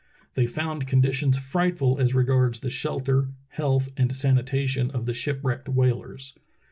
They found conditions frightful as regards the shel ter, health, and sanitation of the shipwrecked whalers.